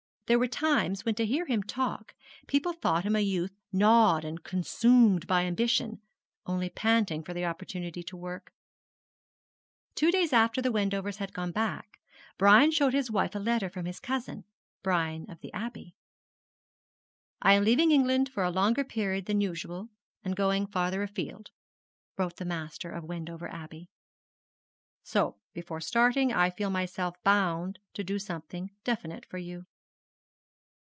There were times when to hear him talk people thought him a youth gnawed and consumed by ambition, only panting for the opportunity to work. Two days after the Wendovers had gone back, Brian showed his wife a letter from his cousin, Brian of the Abbey. 'I am leaving England for a longer period than usual, and going farther afield,' wrote the master of Wendover Abbey; 'so before starting I feel myself bound to do something definite for you.'